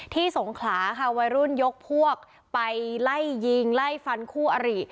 สงขลาค่ะวัยรุ่นยกพวกไปไล่ยิงไล่ฟันคู่อริ